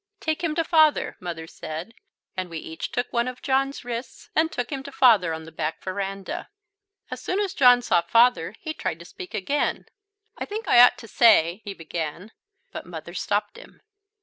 "Take him to Father," Mother said, and we each took one of John's wrists and took him to Father on the back verandah. As soon as John saw Father he tried to speak again "I think I ought to say," he began, but Mother stopped him.